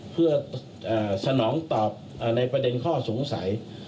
เพื่อสนองตอบในประเด็นข้อสงสัย